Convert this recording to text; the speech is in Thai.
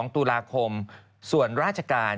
๒ตุลาคมส่วนราชการ